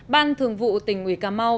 bạn thường vụ tỉnh uỷ cà mau